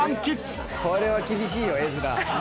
これは厳しいよ絵面。